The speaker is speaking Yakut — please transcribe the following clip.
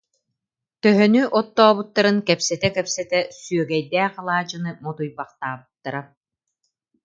Төһөнү оттообуттарын кэпсэтэ-кэпсэтэ, сүөгэйдээх алаадьыны мотуйбахтаабыттара